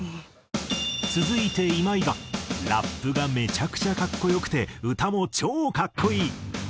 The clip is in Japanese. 続いて今井が「ラップがめちゃくちゃ格好良くて歌も超格好いい！」。